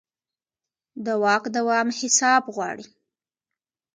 د واک دوام حساب غواړي